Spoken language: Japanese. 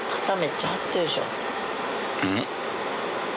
うん？